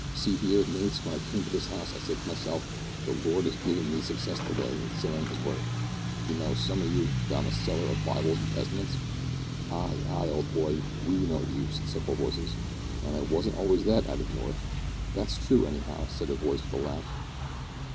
"See here, mates, when I came to this house I said to myself, `The Lord 'as given me success to day in sellin' His word,' you know, some of you, that I'm a seller of Bibles and Testaments?" "Ay, ay, old boy. We know you," said several voices. "And I wasn't always that," added North. "That's true, anyhow," said a voice with a laugh.